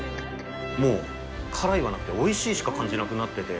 もう、辛いはなくておいしいしか感じなくなってて。